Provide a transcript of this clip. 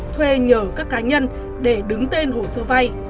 thuê nhờ các cá nhân để đứng tên hồ sơ vay